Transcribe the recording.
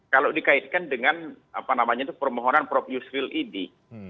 kalau dikaitkan dengan apa namanya itu permohonan prof yusri lidi